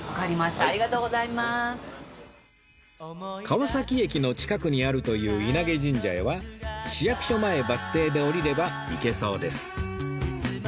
川崎駅の近くにあるという稲毛神社へは市役所前バス停で降りれば行けそうです